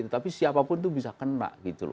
tapi siapapun itu bisa kena